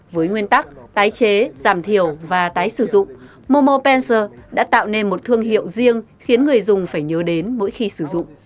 với nguyên tắc tái chế giảm thiểu và tái sử dụng momo pencil đã tạo nên một thương hiệu riêng khiến người dùng phải nhớ đến mỗi khi sử dụng